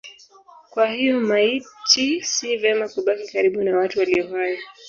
Kwa hiyo maiti si vema kubaki karibu na watu walio hai.